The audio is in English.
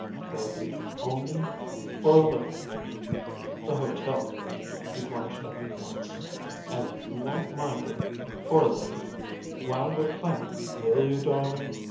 "'Twill be only for a little the hotel, dear," he plunged in at once. "And you won't mind it, for a little, while we're planning, will you, darling?